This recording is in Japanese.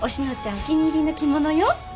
お気に入りの着物よ。